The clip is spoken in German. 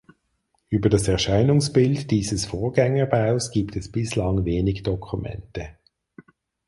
Über das Erscheinungsbild dieses Vorgängerbaus gibt es bislang wenig Dokumente.